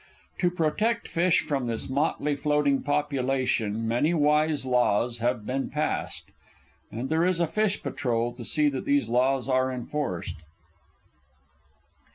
To protect the fish from this motley floating population many wise laws have been passed, and there is a fish patrol to see that these laws are enforced.